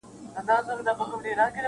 رابللي یې څو ښځي له دباندي -